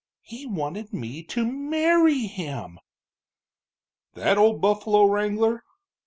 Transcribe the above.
He wanted me to marry him!" "That old buffalo wrangler?